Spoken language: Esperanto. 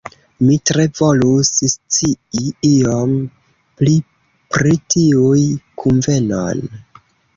Mi tre volus scii iom pli pri tiuj kunvenoj.